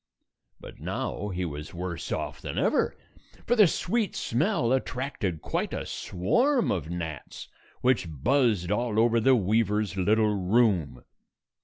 But now he was worse off than ever, for the sweet smell attracted quite a swarm of gnats, which buzzed all over the weaver's little room.